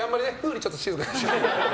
李ちょっと静かにして。